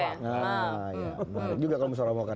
jangan juga kalau misalnya mau ke kth